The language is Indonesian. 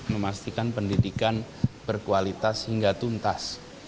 memastikan pendidikan berkualitas hingga tuntas